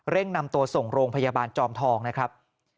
นำตัวส่งโรงพยาบาลจอมทองนะครับ